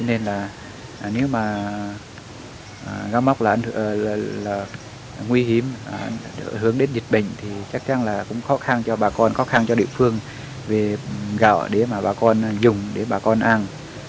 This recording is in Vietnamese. nên là nếu mà cá móc là nguy hiểm hướng đến dịch bệnh thì chắc chắn là cũng khó khăn cho bà con khó khăn cho địa phương về gạo để mà bà con dùng để bà con ăn